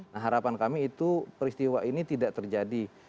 nah harapan kami itu peristiwa ini tidak terjadi